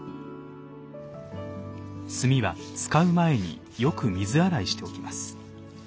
炭は使う前によく水洗いしておきます。